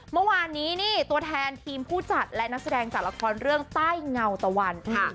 เมื่อวานนี้นี่ตัวแทนทีมผู้จัดและนักแสดงจากละครเรื่องใต้เงาตะวันค่ะ